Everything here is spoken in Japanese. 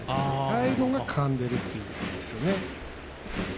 ああいうのがかんでるっていうんですよね。